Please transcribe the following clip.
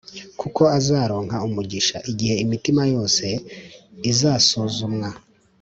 kuko azaronka umugisha igihe imitima yose izasuzumwa.